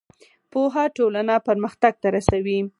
پوهه ټولنه پرمختګ ته رسوي.